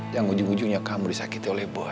yang ujung ujungnya kamu disakiti oleh bos